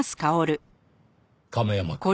亀山くん。